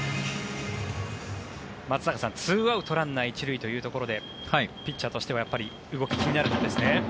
松坂さん、２アウトランナー１塁というところでピッチャーとしてはやっぱり動きが気になるところですね。